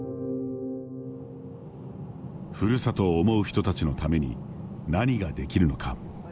ふるさとを思う人たちのために何ができるのか。